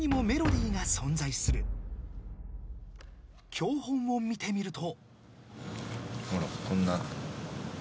［経本を見てみると］